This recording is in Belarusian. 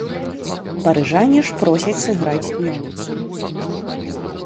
Парыжане ж просяць сыграць днём.